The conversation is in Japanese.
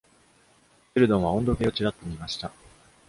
シェルドンは温度計をチラっと見ました。